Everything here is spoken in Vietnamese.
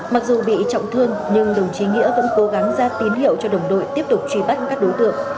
mặc dù bị trọng thương nhưng đồng chí nghĩa vẫn cố gắng ra tín hiệu cho đồng đội tiếp tục truy bắt các đối tượng